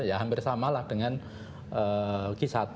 ya hampir samalah dengan kis satu